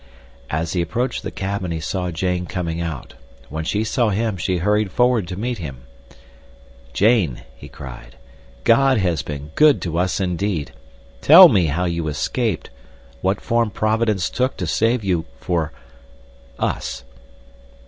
As he approached the cabin he saw Jane coming out. When she saw him she hurried forward to meet him. "Jane!" he cried, "God has been good to us, indeed. Tell me how you escaped—what form Providence took to save you for—us."